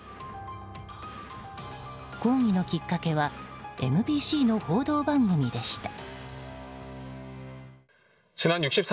抗議のきっかけはＭＢＣの報道番組でした。